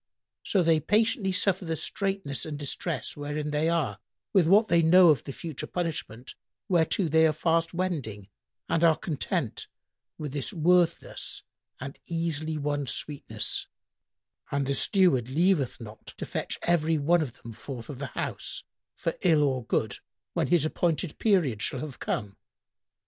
So they patiently suffer the straitness and distress wherein they are, with what they know of the future punishment whereto they are fast wending, and are content with this worthless and easily won sweetness; and the Steward leaveth not to fetch every one of them forth of the house, for ill or good, when his appointed period shall have come.